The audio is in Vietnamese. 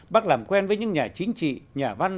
bác làm quen với những nhà chính trị nhà văn